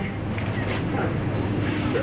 เราก็